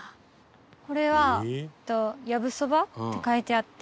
これはえっと「やぶそば」って書いてあって。